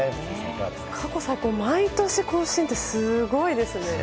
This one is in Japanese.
過去最高を毎年更新ってすごいですね。